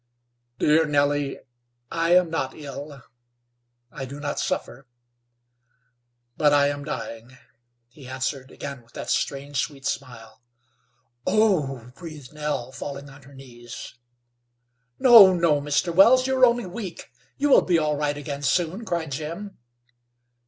"Dear Nellie, I am not ill. I do not suffer, but I am dying," he answered, again with that strange, sweet smile. "Oh h h!" breathed Nell, falling on her knees. "No, no, Mr. Wells, you are only weak; you will be all right again soon," cried Jim.